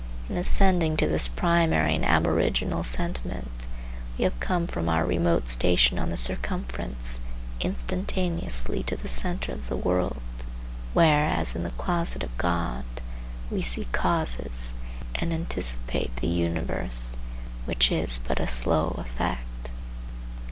In ascending to this primary and aboriginal sentiment we have come from our remote station on the circumference instantaneously to the centre of the world, where, as in the closet of God, we see causes, and anticipate the universe, which is but a slow effect.